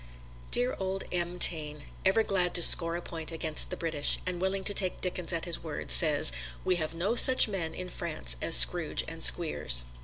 Dear old M. Taine, ever glad to score a point against the British, and willing to take Dickens at his word, says, "We have no such men in France as Scrooge and Squeers!"